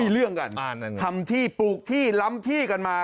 เรื่องกันทำที่ปลูกที่ล้ำที่กันมา